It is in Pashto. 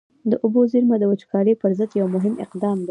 د اوبو زېرمه د وچکالۍ پر ضد یو مهم اقدام دی.